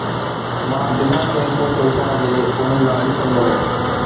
مان بنا ڪنهن سوچ ويچار جي انهن ڏانهن ڏسندو رهيس